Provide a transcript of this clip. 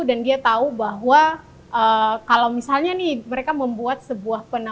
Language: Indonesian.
dan dia tahu bahwa kalau misalnya mereka membuat sebuah perjalanan